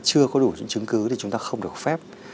chưa có đủ những chứng cứ thì chúng ta không được phép